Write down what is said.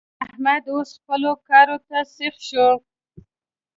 احمد اوس خپلو کارو ته سيخ شو.